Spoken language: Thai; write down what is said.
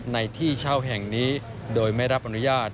ในที่เช่าแห่งนี้โดยไม่รับอนุญาต